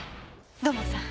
土門さん